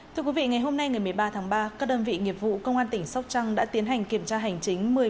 thưa quý vị ngày hôm nay ngày một mươi ba tháng ba các đơn vị nghiệp vụ công an tỉnh sóc trăng đã tiến hành kiểm tra hành chính